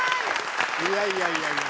いやいやいやいや。